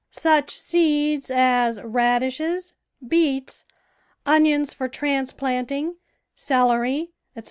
Such seeds as radishes, beets, onions for transplanting, celery, etc.